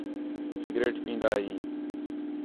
سگریٹ پین٘دا ھیں